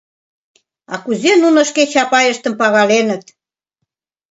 А кузе нуно шке Чапайыштым пагаленыт!